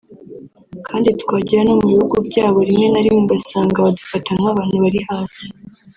kandi twagera no mu bihugu byabo rimwe na rimwe ugasanga badufata nk’abantu bari hasi